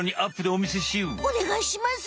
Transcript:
おねがいします。